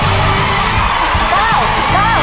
ต้นไม้ประจำจังหวัดระยองการครับ